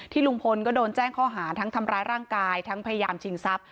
ลุงพลก็โดนแจ้งข้อหาทั้งทำร้ายร่างกายทั้งพยายามชิงทรัพย